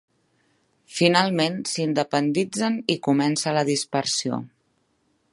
Finalment, s'independitzen i comença la dispersió.